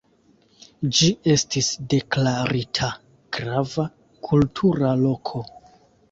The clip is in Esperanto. Ĝi estis deklarita Grava Kultura Loko.